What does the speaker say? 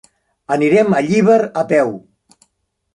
Anirem a Llíber a peu.